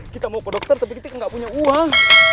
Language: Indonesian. kita mau ke dokter tapi kita nggak punya uang